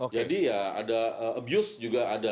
jadi ya ada abuse juga ada